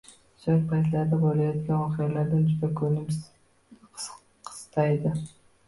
So‘ngi paytlarda bo‘layotgan voqealardan juda kulgim qistaydi.